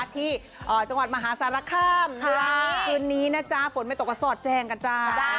ที่จังหวัดมหาสารคามคืนนี้นะจ๊ะฝนไม่ตกก็สอดแจ้งกันจ้า